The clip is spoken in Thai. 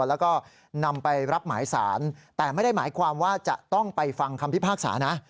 แล้วก็นำไปรับหมายสารแต่ไม่ได้หมายความว่าจะต้องไปฟังคำพิพากษานะ